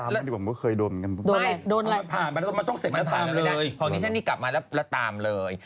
เพราะว่าที่ฉันนี้กลับมาแล้วตามเลย